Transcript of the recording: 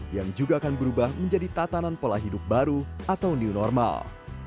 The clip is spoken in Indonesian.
yang juga akan berubah menjadi tatanan pola hidup baru atau new normal